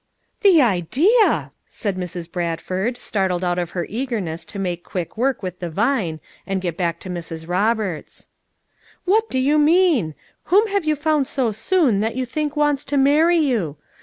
"The idea!" said Mrs, Bradford startled out of her eagerness to make quick work with the vine and get back to Mrs. "Roberts. "What do you mean? Whom have you found so soon that you think wants to marry you?